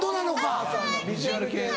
ビジュアル系の。